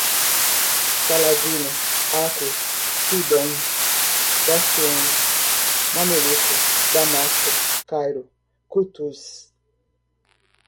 Saladino, Acre, Sidom, bastiões, mameluco, Damasco, Cairo, Cutuz